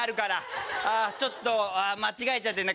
ちょっと間違えちゃってるな。